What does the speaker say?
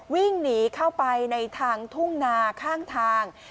วิ่งหนีเข้าไปในทางทุ่งนาข้างทาง